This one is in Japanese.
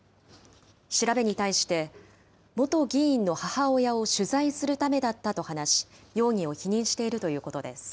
調べに対して、元議員の母親を取材するためだったと話し、容疑を否認しているということです。